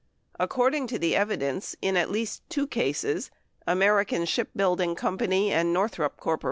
According to the evidence, in at least two cases — American Ship Building Co. and Northrop Corp.